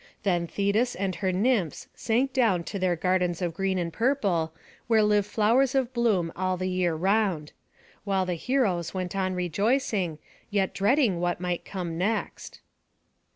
Then Thetis and her nymphs sank down to their gardens of green and purple, where live flowers of bloom all the year round; while the heroes went on rejoicing, yet dreading what might come next.